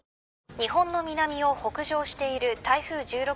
日本の南を北上している台風１６号は。